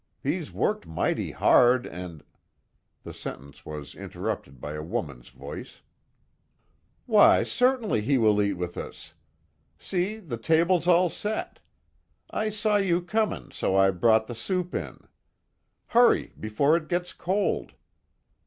He's worked mighty hard, and " the sentence was interrupted by a woman's voice: "Why, certainly he will eat with us. See, the table's all set. I saw you coming so I brought the soup in. Hurry before it gets cold."